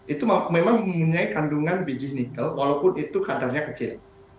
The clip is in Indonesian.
itu memang mempunyai kandungan biji nikel walaupun itu kadarnya kecil